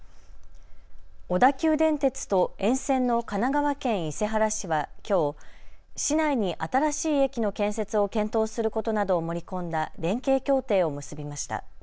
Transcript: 小田急電鉄と沿線の神奈川県伊勢原市はきょう市内に新しい駅の建設を検討することなどを盛り込んだ連携協定を結びました。